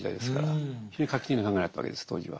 非常に画期的な考えだったわけです当時は。